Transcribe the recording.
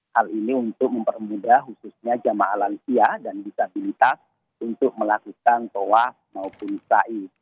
hal ini untuk mempermudah khususnya jemaah alam siya dan disabilitas untuk melakukan toa maupun sa i